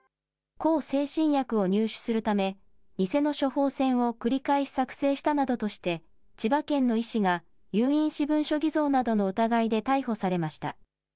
向精神薬を入手するため、偽の処方箋を繰り返し作成したなどとして、千葉県の医師が有印私文書偽造などの疑いで逮捕されました。